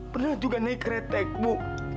pernah juga naik keretek ibu